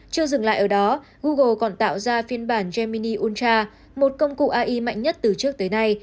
chưa dừng lại ở đó google còn tạo ra phiên bản jammini ultra một công cụ ai mạnh nhất từ trước tới nay